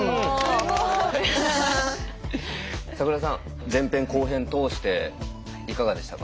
すごい！櫻田さん前編・後編通していかがでしたか？